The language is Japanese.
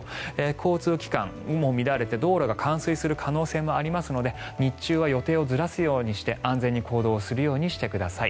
交通機関も乱れて道路が冠水する可能性もありますので日中は予定をずらすようにして安全に過ごすようにしてください。